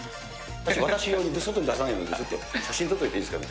私用に、外に出さないので写真撮っといていいですか。